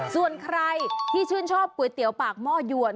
ส่วนใครที่ชื่นชอบก๋วยเตี๋ยวปากหม้อยวน